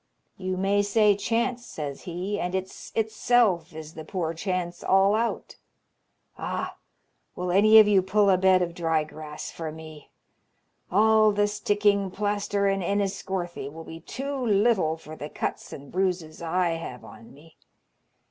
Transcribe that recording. "You may say chance," says he, "and it's itself is the poor chance all out. Ah, will any of you pull a bed of dry grass for me? All the sticking plaster in Enniscorthy will be too little for the cuts and bruises I have on me.